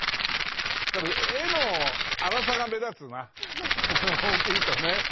ただ絵の粗さが目立つな大きいとね。